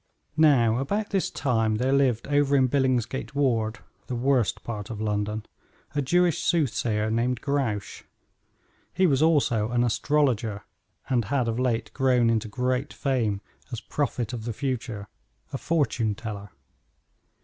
Now about this time there lived over in Billingsgate Ward the worst part of London a Jewish soothsayer named Grouche. He was also an astrologer, and had of late grown into great fame as prophet of the future a fortune teller.